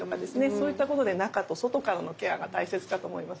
そういったことで中と外からのケアが大切かと思います。